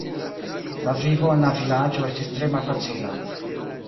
La vivo en la vilaĝo estis tre malfacila.